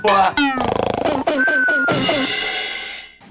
พิง